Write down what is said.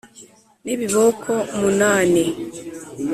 n'ibiboko munani.